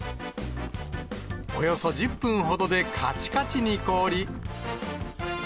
およそ１０分ほどでかちかちに凍り。